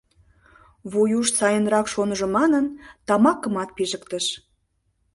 Вуйуш сайынрак шоныжо манын, тамакымат пижыктыш.